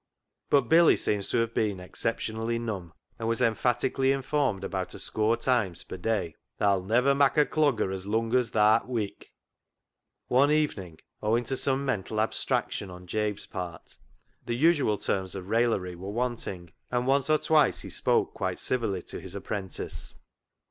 But Billy seems to have been exceptionally " num," and was emphatically informed about a score times per day —" Tha'll never mak' a dogger as lung as tha'rt wik." One evening, owing to some mental abstrac tion on Jabe's part, the usual terms of raillery were wanting, and once or twice he spoke quite civilly to his apprentice.